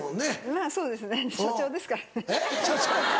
まぁそうですね社長ですからね。